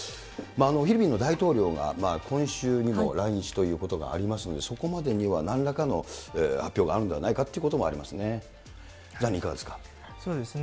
フィリピンの大統領が今週にも来日ということがありますので、そこまでにはなんらかの発表があるんではないかということもありますね。